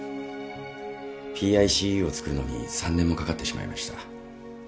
ＰＩＣＵを作るのに３年もかかってしまいました。